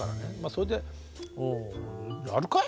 それで「やるかい？